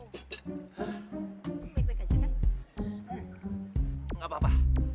nih gak apa apa